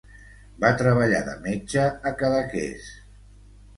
Va treballar de metge a Cadaqués.